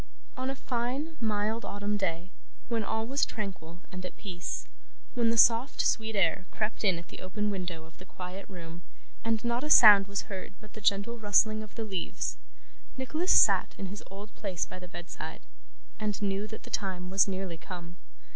On a fine, mild autumn day, when all was tranquil and at peace: when the soft sweet air crept in at the open window of the quiet room, and not a sound was heard but the gentle rustling of the leaves: Nicholas sat in his old place by the bedside, and knew that the time was nearly come.